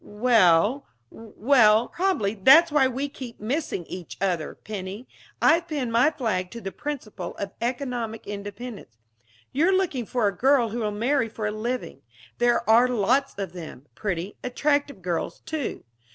"Well well " "Probably that's why we keep missing each other, Penny. I've pinned my flag to the principle of economic independence. You're looking for a girl who will marry for a living. There are lots of them. Pretty, attractive girls, too.